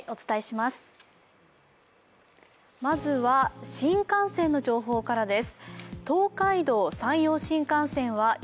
まずは新幹線の情報からです。